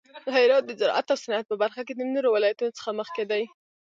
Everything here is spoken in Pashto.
هرات د زراعت او صنعت په برخه کې د نورو ولایتونو څخه مخکې دی.